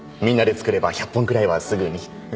みんなで作れば１００本ぐらいはすぐに。